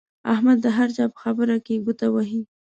احمد د هر چا په خبره کې ګوته وهي.